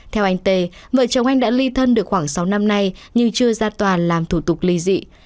theo anh tê vợ chồng anh đã ly thân được khoảng sáu năm nay nhưng chưa ra toàn làm thủ tục ly dị